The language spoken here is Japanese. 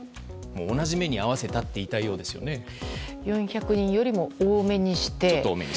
同じ目にあわせたと４００人よりも多めにして。